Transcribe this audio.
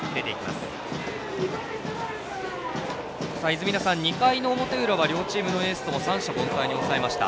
泉田さん、２回の表裏は両チームのエースとも三者凡退に抑えました。